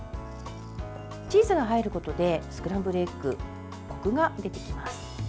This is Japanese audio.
チーズが入ることでスクランブルエッグこくが出てきます。